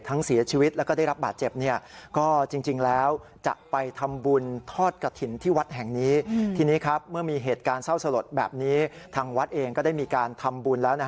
ทั้งเสียชีวิตและก็ได้รับบาดเจ็บ